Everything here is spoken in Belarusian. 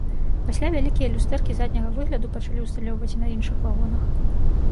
Пасля вялікія люстэркі задняга выгляду пачалі ўсталёўваць і на іншых вагонах.